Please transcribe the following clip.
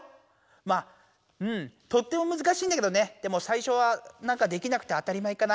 まあうんとっても難しいんだけどねでもさいしょはなんかできなくて当たり前かな。